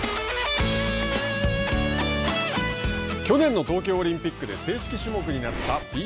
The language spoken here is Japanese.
去年の東京オリンピックで正式種目になったＢＭＸ